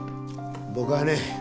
僕はね